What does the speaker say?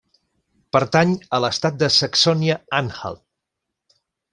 Pertany a l'estat de Saxònia-Anhalt.